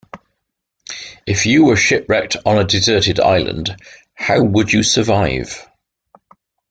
If you were shipwrecked on a deserted island, how would you survive?